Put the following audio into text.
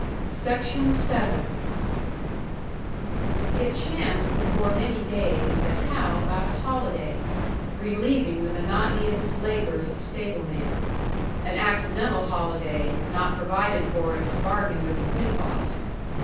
It chanced before many days that Hal got a holiday, relieving the monotony of his labours as stableman: an accidental holiday, not provided for in his bargain with the pit boss.